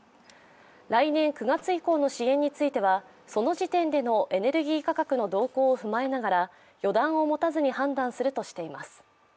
来年９月以降の支援についてはその時点でのエネルギー価格の動向を踏まえながら予断を持たずに判断するとしています。